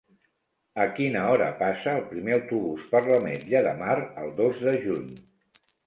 A quina hora passa el primer autobús per l'Ametlla de Mar el dos de juny?